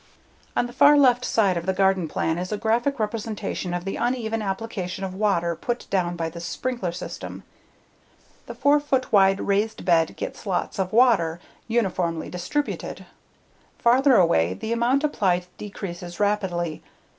On the far left side of the garden plan is a graphic representation of the uneven application of water put down by this sprinkler system. The 4 foot wide raised bed gets lots of water, uniformly distributed. Farther away, the amount applied decreases rapidly.